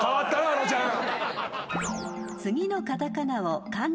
あのちゃん。